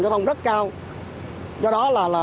giao thông rất cao do đó là